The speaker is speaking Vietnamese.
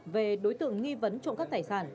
về đối tượng nghi vấn trộm cắp tài sản